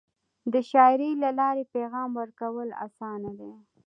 د شاعری له لارې پیغام ورکول اسانه دی.